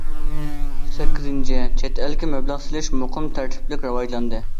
سەككىزىنچى، چەت ئەلگە مەبلەغ سېلىش مۇقىم، تەرتىپلىك راۋاجلاندى.